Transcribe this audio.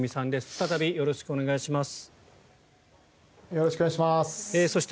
再びよろしくお願いします。